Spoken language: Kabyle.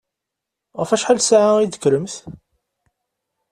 Ɣef wacḥal ssaɛa i d-tekkremt?